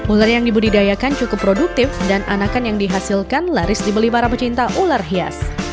ular yang dibudidayakan cukup produktif dan anakan yang dihasilkan laris dibeli para pecinta ular hias